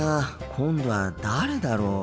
今度は誰だろう。